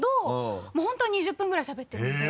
もう本当は２０分ぐらいしゃべってるので。